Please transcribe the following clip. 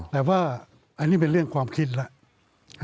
แต่ว่าอันนี้เป็นเรื่องความคิดแล้ว